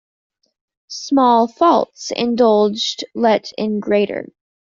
Small faults indulged let in greater.